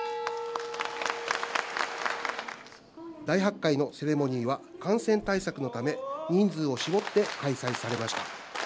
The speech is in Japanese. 大発会のセレモニーは感染対策のため、人数を絞って開催されました。